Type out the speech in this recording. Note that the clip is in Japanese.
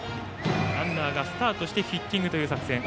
ランナーがスタートしてヒッティングという作戦。